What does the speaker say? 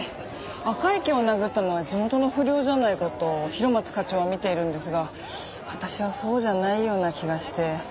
赤池を殴ったのは地元の不良じゃないかと広松課長は見ているんですが私はそうじゃないような気がして。